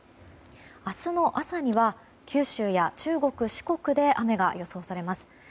明日の朝には九州や中国、四国で雨が予想されます。